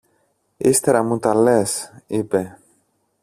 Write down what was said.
Ύστερα μου τα λες, είπε.